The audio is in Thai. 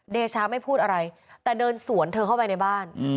เดชาไม่พูดอะไรแต่เดินสวนเธอเข้าไปในบ้าน